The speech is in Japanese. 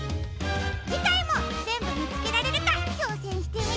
じかいもぜんぶみつけられるかちょうせんしてみてね！